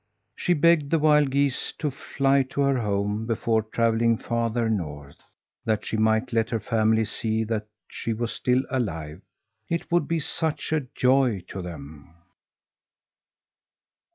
She begged the wild geese to fly to her home before travelling farther north, that she might let her family see that she was still alive. It would be such a joy to them.